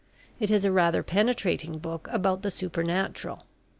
It is a rather penetrating book about the supernatural.